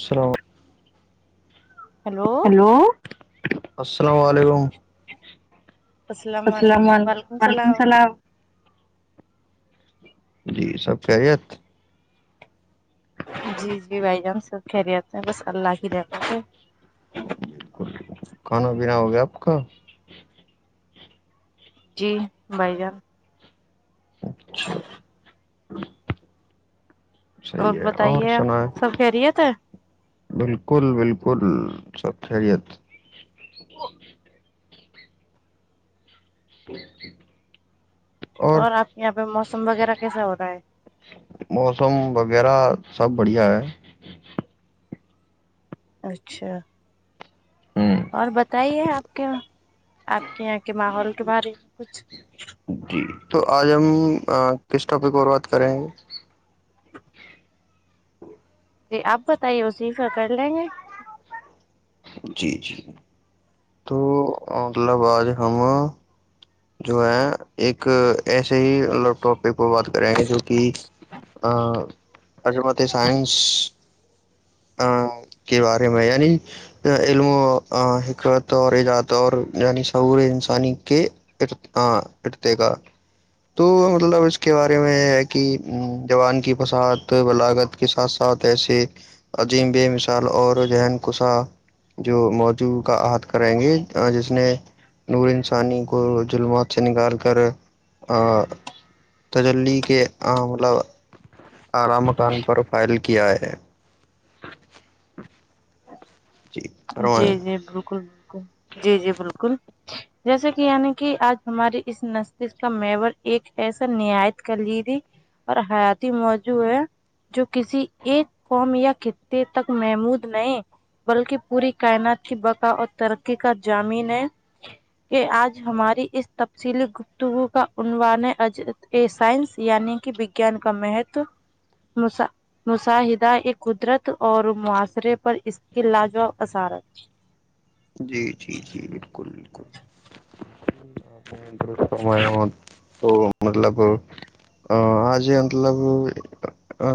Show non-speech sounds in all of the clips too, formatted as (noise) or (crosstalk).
سرو (unintelligible) hello hello السلام علیکم السلام عل وعلیکم السلام جی سب کہہریت جی جی بھائی ہم سب کہہلے آتے ہیں بس اللہ ہی رہنا سے کھانا پینا ہو گیا آپ کا جی بھائی جان اچھا صحیح ہے اور بتائیے سنا ہے آپ سب خیریت ہے بالکل بالکل سب خیریت جییک ٹھ اور آپ کے یہاں پہ موسم وغیرہ کیسا ہو رہا ہے موسم وغیرہ سب بڑھیا ہے اچھا ہ اور بتائیے آپ کے آپ کے یہاں کے ماحول کے بارے میں کچھ جی تو آج ہم کس ٹاپک اور بات کر رہے ہیں جی آپ بتائیے اسیف کر لیں گے جی جی تو الا بعد ہم جو ہے ایک ایسے ہی ٹاپک پر بات کریں ہیں جو کہ عظمت کے بارے میں یعنی علم و حکمت اور دور یعنی سعور انسانی کے ارد ارد کا تو مطلب اس کے بارے میں ہے کہ جوان کی فسات بلاغت کے ساتھ ساتھ ایسی عجیم بے مثال اور ذہن کسا جو موجوع کا عحد کریں گے جس نے اور انسانی کو ظلمت سے نکال کر تجلی کے عاملہ اعلی مکان پر فائل کیا ہے (inaudible) جی جی بالکل بالکل جی جی بالکل جیسے کہ یعنی کہ آج ہماریے اس نستش کا میب ایک ایسا نیاایت کر لیی اور حیاتی موجو ہے جو کسی ایک فارم یا خطے تک محمود نہیں بلکہ پوری کائنات کی بقا اور ترقی کا جامین ہے کہ آج ہماری اس تفصیلی گفتگو کا عنوان سائنس یعنی کہ وجان کا مہتو مشاہدہ ایک قدرت اور معاشرے پر اس کے لاجواب (inaudible) جی جی جی بالکل بالکل (inaudible) تو مطلب آج مطلب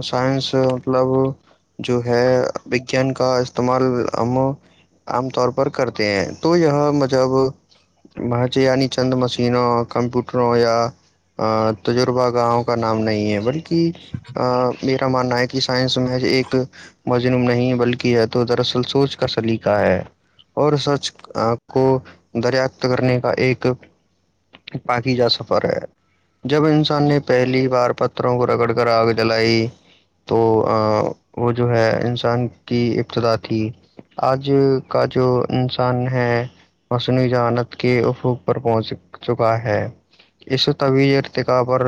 سائنس مطلب جو ہے وگیان کا استعمال ہم عام طور پر پر کرتے ہیں تو یہ مطب وہاںچ یعنی چند مشینوں کمپیوٹروں یا تجربہ گاؤں کا نام نہیں ہے بلکہ میرا ماننا ہے کہ سائنس میں ایک مجنم نہیں بلکہ یہ تو دراصل سوچ کا سلیقہ ہے اور سچ کو دریات کرنے کا ایک پاکی جا سفر ہے جب انسان نے پہلی بار پتھروں کو رگڑ کر آگ جلائی تو وہ جو ہے انسان کی ابتدا تھی آج کا جو انسان ہے مصنوعی جانت کے حقوق پر پہنچ چکا ہے اس و طویل ارتقابء اور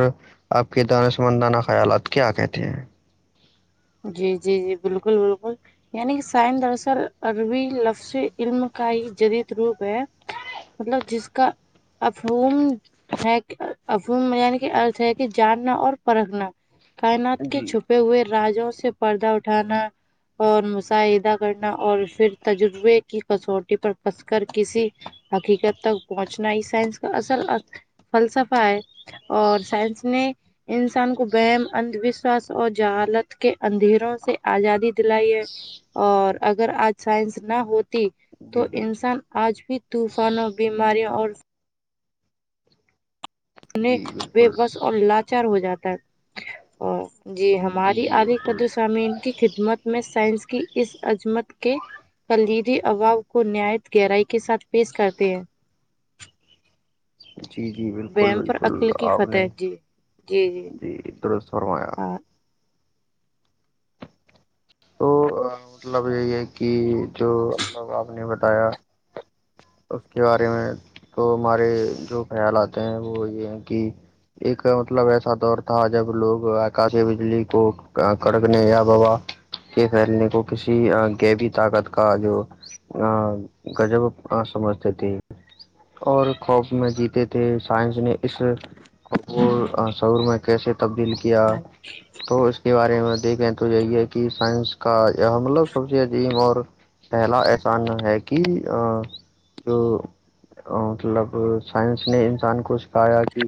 آپ کے دانہ سمندانہ خیالات کیا کہتے ہیں جی جی جی بالکل بالکل یعنی کہ سائن دراصل عربی لفظ علم کا ہی جدید روپ ہے مطلب جس کا افہوم ہے افہوم یعنی کہ ارتھ ہے کہ جاننا اور پرکھنا کائنات کے جی چھپے ہوئے راجوں سے پردہ اٹھانا اور مشاہدہ کرنا اور پھر تجربے کی کسوٹی پر پھنس کر کسی حقیقت تک پہنچنا ہی سائنس کا اصل فلسفہ ہے اور سائنس نے انسان کو بم انھ وشواس اور جہالت کے اندھیروں سے ازادی دلائی ہے اور اگر اج سائنس نہ ہو ت جی تو جی انسان آج بھی طوفانوں بیماریوں اور نے جی بے بالکل بس اور لاچار ہو جاتا ہے جی ہماری جی بالکل القدس سامین کی خدمت میں سائنس کی اس عظمت کے کلیدی اباام کو نایت گہرائی کے ساتھ پیش کرتے ہیں جی جی بالکل وہم پر بالکل عقل کی آپ نے فتح جی جی ترت فرمایا ہاں تو مطلب یہی ہے کہ جو مطلب آپ نے بتایا اس کے بارے میں تو ہمارے جو خیال آتے ہیں وہ یہ ہیں کہ ایک مطلب ایسا دور تھا جب لوگ آکاشی بجلی کو کڑکنے یا بابا کے پھیلنے کو کسی گغبی طاقت کا جو ا گجب سمجھتے تھی اور خوف میں جیتے تھے سائنس نے اس وہ سور میں کیسے تبدیل کیا تو اس کے بارے میں دیکھیں تو یہی ہے کہ سائنس کا مطلب سب سے عظیم اور پہلا ایسا ہے کہ جو مطلب سائنس نے انسان کو سکھایا کہ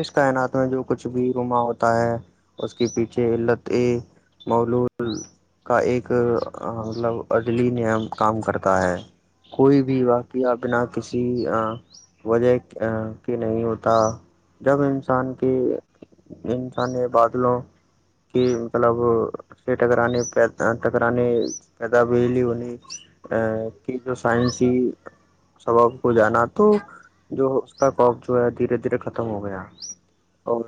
اس کائنات میں جو کچھ بھی رما ہوتا ہے اس کے پیچھے علت اے مولود کا ایک ملب عڈلی کام کرتا ہے کوئی بھی واقعہ بنا کسی وجہ کی نہیں ہوتا جب انسان کی انسان نے بادلوں کی مطلب ٹکرانے ٹکرانے پیدا بجلی ہونی ا کہ جو سائنسی ہی سبق کو جانا تو جو اس کا کپ جو ہے دھیرے دھیرے ختم ہو گیا اور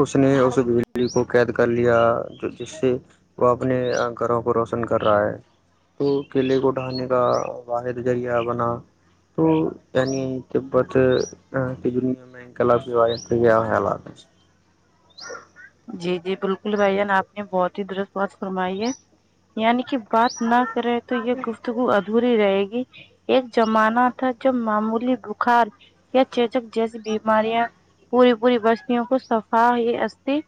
اس نے اس بلی کو قید کر لیا جو جس سے وہ اپنے گھروں کو روشن کر رہا ہے تو کیلے کو ڈٹھانے کا واحد ذریعہ بنا توع تبت د م کل پ و گیا خلات جی جی بالکل بھائی جان آپ نے بہت ہی درست بات فرمائی ہے یعنی کہ بات نہ کرے تو یہ گفتگو اد دوری رہے گی ایک زمانہ تھا جب معمولی بخار یا چیچک جیسی بیماریاں پوری پوری بستوں کو سفا ت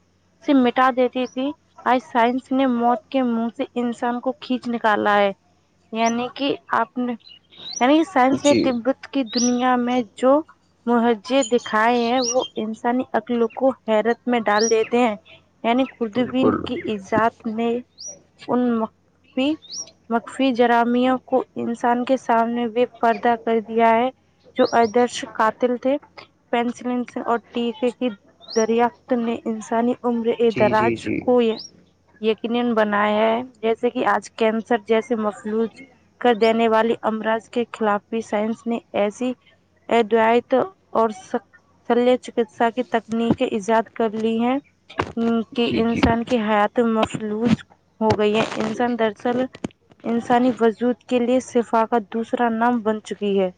س مٹا دیتی تھی آج سائنس نے موت کے منہ سے انسان کو کھینچ نکالا ہے یعنی کہ آپ نے یعنی کہ سائنس نے جی تبت کی دنیا میں جو مہجے دکھائے ہیں وہ انسانی عقل کو حیرت میں ڈال دیتے ہیں یعنی خوردبین بالکل کی ایجاد میں ان مخفی جراموں کو انسان کے سامنے بھی پردہ کر دیا ہے جو آدرش قاتل تھے پینسلن سے اور ٹیکے کی دریا نے انسانی عمر جی جی درج جی کوئی یقینا بنایا ہے جیسے کہ آج کینسر جیسے مفلوج کر دینے والی امراض کے خلاف بھی سائنس نے ایسی ادوائت اور شلیہ چکسا کی تکنیکی ایجاد کر لی ہیں کہ جی جی انسان کے کی حیات مفلوج ہو گئی ہے انسان درصل انسانی وجود کے لیے صفا کات دوسرا نام بن چکی ہے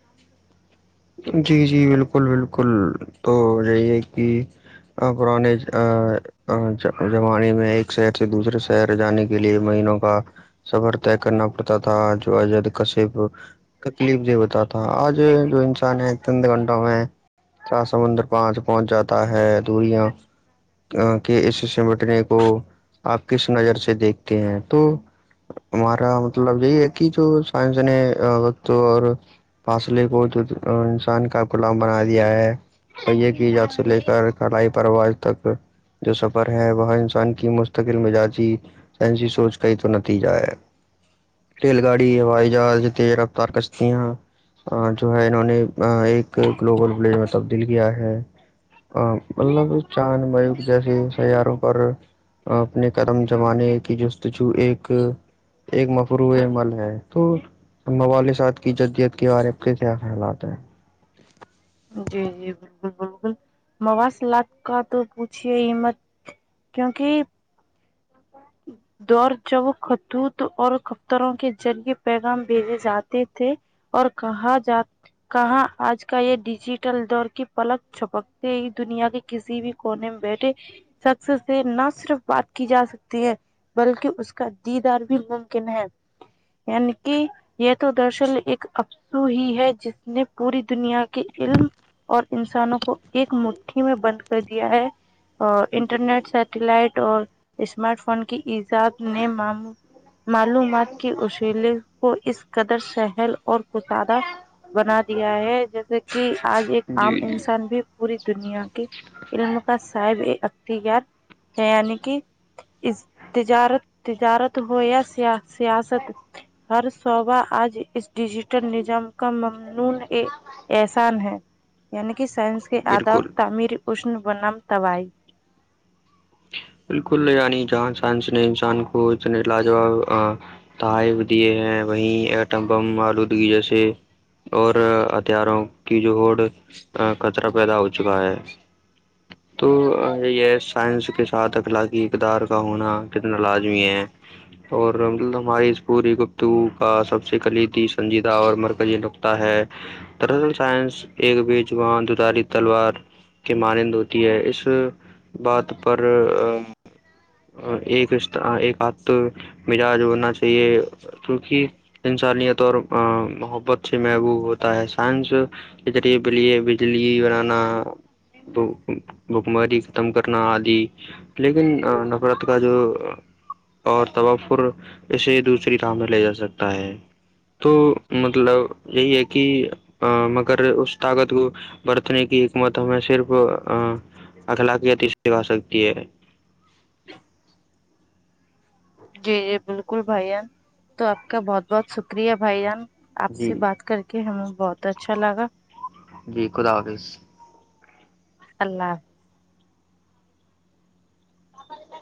جی جی بالکل بالکل تو یہی ہے کہ پرانے جمانی میں ایک شہر سے دوسرے شہر جانے کے لیے مہینوں کا صبر طے کرنا پڑتا تھا جو اجد کشف تکلیف د بتااتا آج جو انسان ہے تند گھنٹوں میں کیا سمندر پانچ پہنچ جاتا ہے دوریاں کے اس سمٹنے کو آپ کس نظر سے دیکھتے ہیں تو ہمارا مطلب یہی ہے کہ جو سائنس نے وت اور فاصلے کو جو انسان کا غلام بنا دیا ہے تو یہ کیجاد سے لے کر کلائی پروج تک جو سفر ہے وہاں انسان کی مستقل مزاجی سائنسی سوچ کا ہی تو نتیجہ ہے ریل گاڑی ہوائی جہاز تز رفتار کشتییاں جو ہے انہوں نے ایک گلوبل ولیج میں تبدیل کیا ہے مطلب چاند بیک جیسے سیاروں پر اپنے کرم جمانے کی جستجو ایک ایک مفروع عمل ہے تو مو صات کی جدیت کے بارے میں کیا کھیلاات ہیں جی جی بالکل بالکل موصلات کا تو پوچھیے عت کیونکہ (inaudible) دور جب خطوت اور کفتروں کے جل کے پیغام بھیجے جاتے تھے اور کہا جات کہاں آج کا یہ ڈیجیٹل دور کی پلک چھپکتے ہی دنیا کی کسی بھی کونے میں بیٹھے شخص سے نہ صرف بات کی جا سکتی ہے بلکہ اس کا دیدار بھی ممکن ہے یعنی کہ یہ تو درصل ایک اسو ہی ہے جس نے پوری دنیا کے علم اور انسانوں کو ایک مٹھی میں بند کر دیا ہے اور جی انٹرنیٹ سیٹیلائٹ اور اسمارٹ فون کی ایجاد نے معلومات کے اصلے کو اس قدر سہل اور کسادہ بنا دیا ہے جیسے کہ آج ایک عام جی جی انسان بھی پوری دنیا کے علم کا صاحب ایک ٹھیک یار ہے نک تجارت تجارت ہویا سیا سیاستت ہر صوبہ آج اس ڈیجیٹل نظم کا ممنون احسان ہے یعنی کہ سائنس کے آدب بالکل تعمیر اشن بنم طبائی بالکل یعنی جہاں سائنس نے انسان کو اتنے لاجواب تحائف دیے ہیں وہیں ایٹم بم آلودگی جیسے اور ہتھیاروں کی جو ہو کچرا پیدا ہو چکا ہے تو یہ سائنس کے سات اخلاقی اقدار کا ہونا کتنا لازمی ہے اور مطلب ہماری اس پوری گفتو کا سب سے کلی تھی سنجیدہ اور مرکزی لو ہے دراصل سائنس ایک بیج وہاں دوداری تلوار کی مانند ہوتی ہے اس بات پر اور ایک ایک ہھ مزاج ہونا چاہیے کیونکہ انسانیت اور محبت سے محبوب ہوتا ہے سائنس کچریعے پ لیے بجلی بنانا تو بکماری ختم کرنا عدھی لیکن نفرت کا جو اور تبفر اسے دوسری رام میں لے جا سکتا ہے تو مطلب یہی ہے کہ مگر اس طاقت کو برتنے کی حکمت ہمیں صرف اخلاقیتی سے آ سکتی ہے جی جی بالکل بھائی جان تو آپ کا بہت بہت شکریہ بھائی جان آپ سے جی بات کر کے کہ ہمیں بہت اچھا لگا جی خدا حافظ اللہ آ (unintelligible)